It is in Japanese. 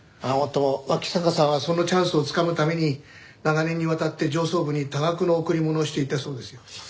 もっとも脇坂さんはそのチャンスをつかむために長年にわたって上層部に多額の贈り物をしていたそうですよ。